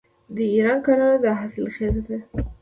د ایران کرنه حاصلخیزه ده.